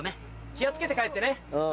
気を付けて帰ってね。